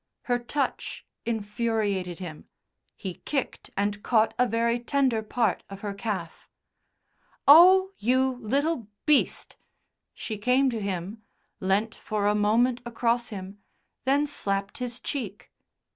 Her touch infuriated him; he kicked and caught a very tender part of her calf. "Oh! You little beast!" She came to him, leant for a moment across him, then slapped his cheek.